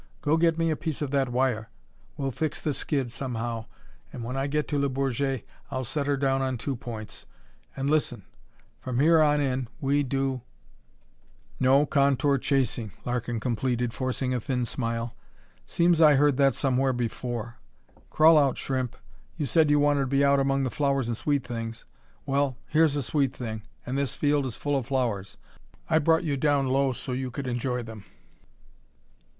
Go get me a piece of that wire. We'll fix the skid, somehow, and when I get to Le Bourget I'll set her down on two points. And listen! From here on in we do " "No contour chasing," Larkin completed, forcing a thin smile. "Seems I heard that somewhere before. Crawl out, Shrimp. You said you wanted to be out among the flowers and sweet things. Well, here's a sweet thing, and this field is full of flowers. I brought you down low so you could enjoy them."